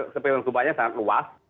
sepenuhnya gempanya sangat luas